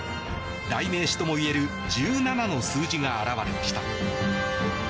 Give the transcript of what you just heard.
代名詞ともいえる「１７」の数字が現れました。